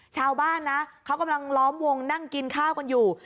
ชาวบ้านนะเขากำลังล้อมวงนั่งกินข้าวกันอยู่